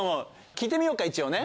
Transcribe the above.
聞いてみようか一応ね。